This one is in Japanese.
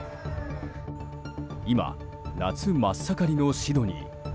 今、夏真っ盛りのシドニー。